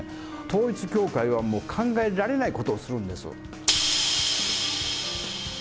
統一教会は考えられないことをするんです。